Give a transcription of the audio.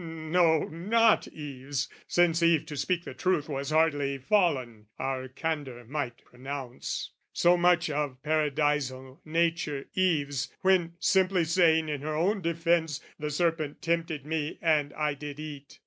no, not Eve's, since Eve, to speak the truth, Was hardly fallen (our candour might pronounce) So much of paradisal nature, Eve's, When simply saying in her own defence "The serpent tempted me and I did eat."